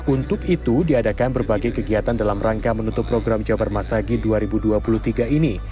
untuk itu diadakan berbagai kegiatan dalam rangka menutup program jabar masagi dua ribu dua puluh tiga ini